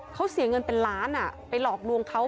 เขาเสียเงินเป็นล้านไปหลอกลวงเขา